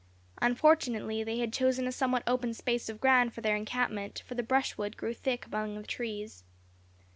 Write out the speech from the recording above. Unfortunately they had chosen a somewhat open space of ground for their encampment, for the brushwood grew thick among the trees.